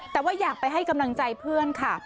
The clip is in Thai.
แต่ว่าอยากไปให้กำลังใจเพื่อนค่ะ